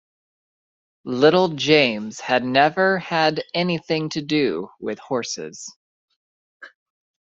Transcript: Little James had never had anything to do with horses.